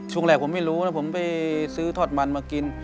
ช่วงแรกผมไม่รู้นะผมไปซื้อทอดมันมากิน